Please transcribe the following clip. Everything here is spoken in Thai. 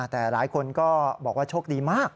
แต่หลายคนก็บอกว่าโชคดีมาก